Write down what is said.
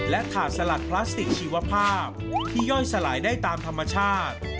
และขาดสลัดพลาสติกชีวภาพที่ย่อยสลายได้ตามธรรมชาติ